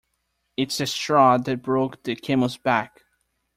It's the straw that broke the camels back.